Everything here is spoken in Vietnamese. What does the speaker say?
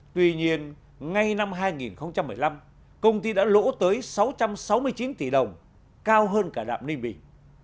tuy nhiên ngay năm hai nghìn một mươi năm công ty đã lỗ tới sáu trăm sáu mươi chín tỷ đồng cao hơn cả đạm ninh bình